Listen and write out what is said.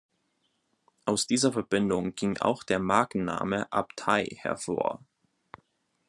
Aus dieser Verbindung ging auch der Markenname Abtei hervor.